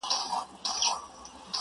• زمري ولیدی مېلمه چي غوښي نه خوري -